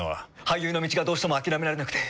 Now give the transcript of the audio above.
俳優の道がどうしても諦められなくて。